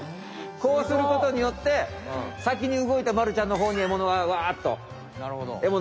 こうすることによってさきに動いたまるちゃんのほうにえものがわっとえもの